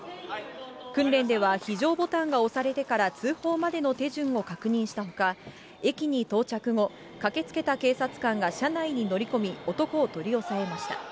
訓練では非常ボタンが押されてから通報までの手順を確認したほか、駅に到着後、駆けつけた警察官が車内に乗り込み、男を取り押さえました。